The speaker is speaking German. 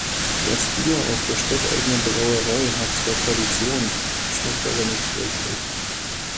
Das Bier aus der stadteigenen Brauerei hat zwar Tradition, schmeckt aber nicht wirklich.